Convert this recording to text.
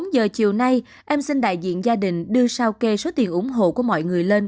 bốn giờ chiều nay em xin đại diện gia đình đưa sao kê số tiền ủng hộ của mọi người lên